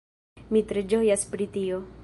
Mi tre ĝojas pri tio!